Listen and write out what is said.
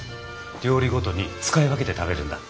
料理ごとに使い分けて食べるんだ。